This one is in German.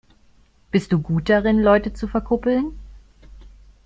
Bist du gut darin, Leute zu verkuppeln?